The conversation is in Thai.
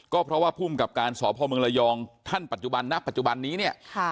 ก็เพราะว่าภูมิกับการสพเมืองระยองท่านปัจจุบันณปัจจุบันนี้เนี่ย